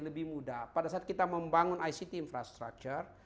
lebih mudah pada saat kita membangun ict infrastructure